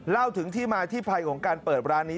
เล่าถึงที่มาที่ไปของการเปิดร้านนี้